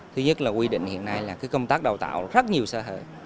thứ nhất là quy định hiện nay là công tác đào tạo rất nhiều sở hợp